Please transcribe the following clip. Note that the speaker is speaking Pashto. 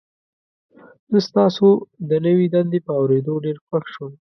زه ستاسو د نوي دندې په اوریدو ډیر خوښ یم.